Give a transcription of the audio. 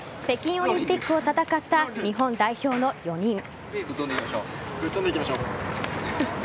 北京オリンピックを戦った日本代表の４人。